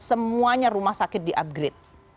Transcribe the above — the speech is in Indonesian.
semuanya rumah sakit di upgrade